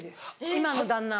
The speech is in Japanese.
今の旦那。